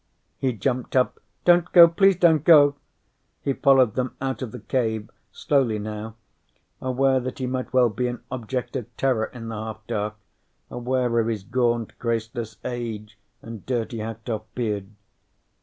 He jumped up. "Don't go! Please don't go!" He followed them out of the cave, slowly now, aware that he might well be an object of terror in the half dark, aware of his gaunt, graceless age and dirty hacked off beard.